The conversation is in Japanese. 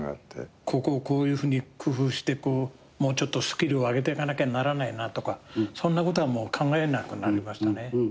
ここをこういうふうに工夫してもうちょっとスキルを上げていかなきゃならないなとかそんなことはもう考えなくなりましたね。